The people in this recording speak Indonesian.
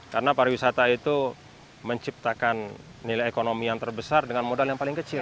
karena pariwisata itu menciptakan nilai ekonomi yang terbesar dengan modal yang paling kecil